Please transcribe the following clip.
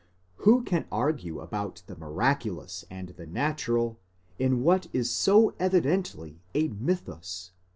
Who can argue about the miraculous and the natural in what is so evidently a mythus?